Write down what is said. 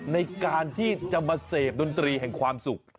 ในการที่จะมาเสพดนตรีแห่งความสุข